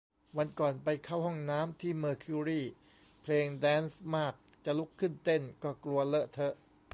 วันก่อนไปเข้าห้องน้ำที่เมอร์คิวรี เพลงแดนซ์มาก จะลุกขึ้นเต้นก็กลัวเลอะเทอะ